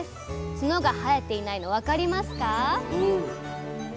角が生えていないの分かりますかうん。